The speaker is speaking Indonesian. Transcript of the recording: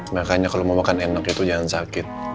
makanya kalau mau makan enak itu jangan sakit